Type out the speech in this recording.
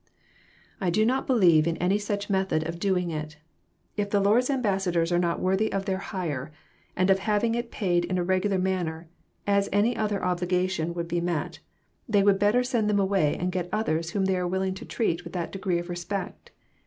*' I do not believe in any such method of doing it. If the Lord's ambassadors are not worthy of their hire, and of having it paid in a regular man ner, as any other obligation would be met, they would better send them away and get others whom they are willing to treat with that degree of respect.